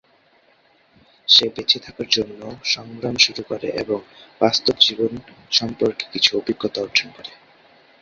সে বেঁচে থাকার জন্য সংগ্রাম শুরু করে এবং বাস্তব জীবন সম্পর্কে কিছু অভিজ্ঞতা অর্জন করে।